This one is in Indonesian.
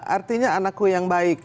artinya anakku yang baik